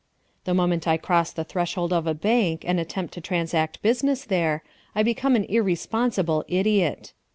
The moment I cross the threshold of a bank and attempt to transact business there, I become an irresponsible idiot.